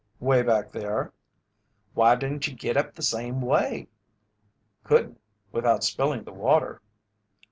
"'Way back there." "Why didn't you git up the same way?" "Couldn't without spilling the water."